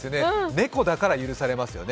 猫だから許されますよね。